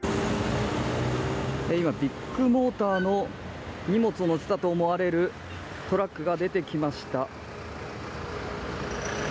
今、ビッグモーターの荷物を載せたとみられるトラックが出てきました。